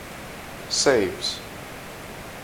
Seivs.